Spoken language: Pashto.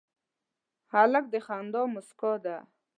هلک د خندا موسکا ده.